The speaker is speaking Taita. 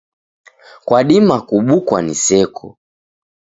Kwadima kubukwa ni seko.